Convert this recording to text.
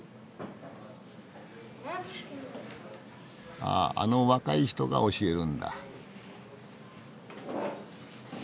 あああの若い人が教えるんだ。